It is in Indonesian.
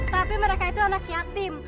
tapi mereka itu anak yatim